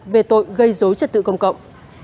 về tội gây dối trật tự công cộng